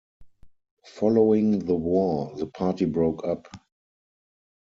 Following the war, the party broke up.